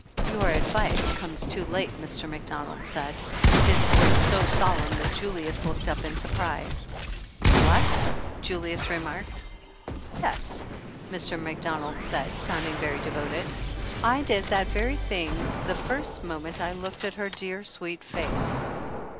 "Your advice comes too late," Mr. Macdonald said, his voice so solemn that Julius looked up in surprise. "What !" Julius remarked. "Yes," Mr. Macdonald said, sounding very devoted, "I did that very thing the first moment I looked at her dear, sweet face."